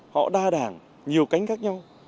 họ đa đảng nhiều cánh khác nhau